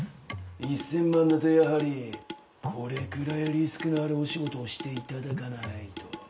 １千万だとやはりこれくらいリスクのあるお仕事をしていただかないと。